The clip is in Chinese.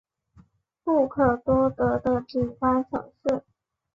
不可多得的景观城市